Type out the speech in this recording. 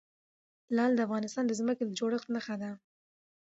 لعل د افغانستان د ځمکې د جوړښت نښه ده.